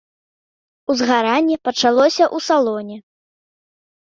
Узгаранне пачалося ў салоне.